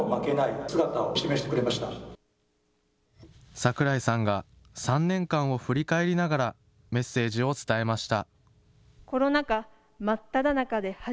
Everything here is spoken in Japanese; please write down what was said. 櫻井さんが３年間を振り返りながら、メッセージを伝えました。